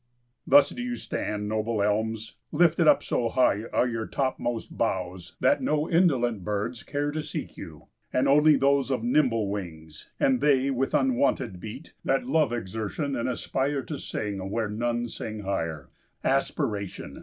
Thus do you stand, noble elms! Lifted up so high are your topmost boughs that no indolent birds care to seek you, and only those of nimble wings, and they with unwonted beat, that love exertion and aspire to sing where none sing higher. Aspiration!